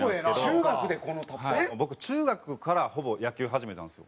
僕中学からほぼ野球始めたんですよ。